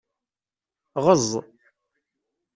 Ɣeẓẓ.